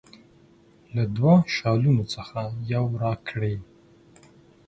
له دوه شالونو څخه یو راکړي.